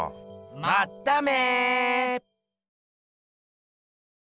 まっため！